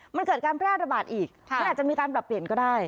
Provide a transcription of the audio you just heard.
มันเกิดการแพร่ระบาดอีกมันอาจจะมีการปรับเปลี่ยนก็ได้